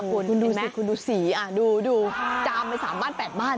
คุณดูสิคุณดูสีอ่ะดูจามไปสามบ้านแปดบ้าน